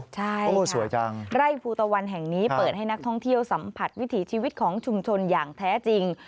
ใช่ไร่ภูตะวันแห่งนี้เปิดให้นักท่องเที่ยวสัมผัสวิถีชีวิตของชุมชนอย่างแท้จริง